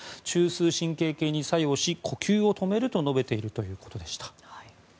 中枢神経系に作用し呼吸を止めると述べているということでした。